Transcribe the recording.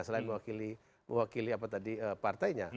selain mewakili partainya